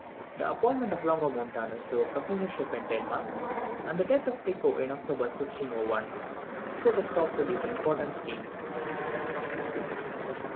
The appointment of Longomontanus to a professorship in Denmark, and the death of Tycho in October 1601, put a stop to these important schemes.